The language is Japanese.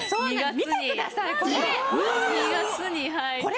見てくださいこれ。